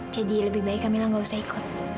jadi lebih baik kamila nggak usah ikut